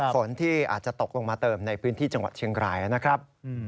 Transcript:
ฝนที่อาจจะตกลงมาเติมในพื้นที่จังหวัดเชียงรายนะครับ